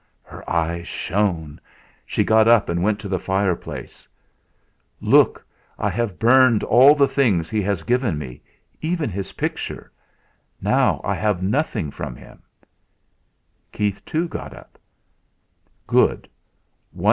Her eyes shone. She got up and went to the fireplace: "Look! I have burned all the things he has given me even his picture. Now I have nothing from him." Keith, too, got up. "Good!